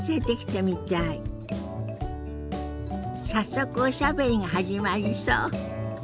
早速おしゃべりが始まりそう。